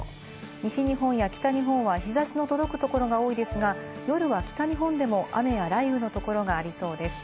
西日本や北日本は日差しの届くところが多いですが、夜は北日本でも雨や雷雨のところがありそうです。